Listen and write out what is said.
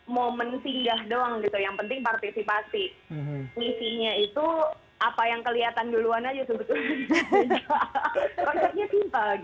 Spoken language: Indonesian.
momen singgah doang gitu yang penting partisipasi ngisinya itu apa yang kelihatan duluan aja sebetulnya